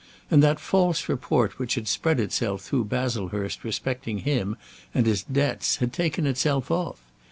And that false report which had spread itself through Baslehurst respecting him and his debts had taken itself off.